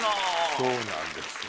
そうなんですよ。